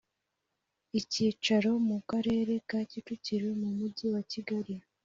icyicaro mu karere ka kicukiro mu mujyi wakigali